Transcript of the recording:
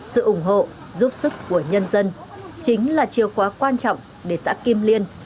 sự ủng hộ giúp sức của nhân dân chính là chìa khóa quan trọng để xã kim liên